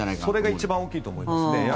それが一番大きいと思いますね。